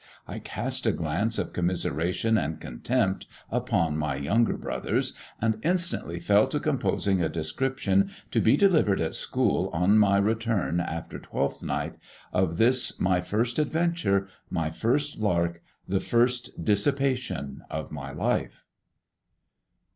I cast a glance of commiseration and contempt upon my younger brothers, and instantly fell to composing a description, to be delivered at school on my return after Twelfth Night, of this my first adventure, my first lark, the first dissipation of my life.